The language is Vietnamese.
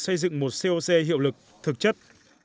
xây dựng một coc hiệu lực thực chất